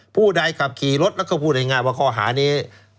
ผู้ใดขับขี่รถแล้วก็พูดง่ายว่าข้อหานี้